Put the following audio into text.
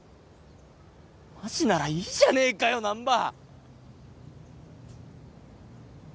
マジならいいじゃねえかよ難破！